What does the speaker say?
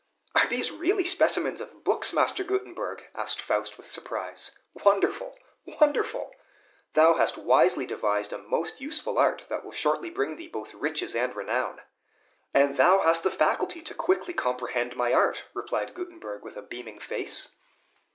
"Are these really specimens of books, Master Gutenberg?" asked Faust with surprise. "Wonderful! wonderful! thou hast wisely devised a most useful art, that will shortly bring thee both riches and renown!" "And thou hast the faculty to quickly comprehend my art," replied Gutenberg with a beaming face.